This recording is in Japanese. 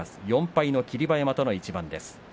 ４敗の霧馬山との一番です。